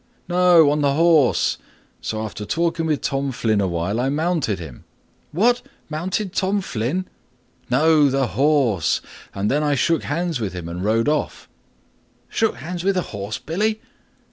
"No, on the horse. So after talking with Tom Flynn awhile I mounted him." "What! mounted Tom Flynn?" "No, the horse; and then I shook hands with him and rode off." "Shook hands with the horse, Billy?"